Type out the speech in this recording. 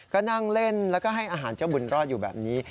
ก็นั่งเล่นแล้วก็ให้อาหารเจ้าบุญรอดอยู่แบบนี้